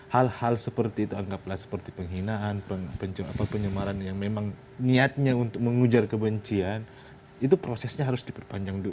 hal hal seperti itu anggaplah seperti penghinaan penyemaran yang memang niatnya untuk mengujar kebencian itu prosesnya harus diperpanjang dulu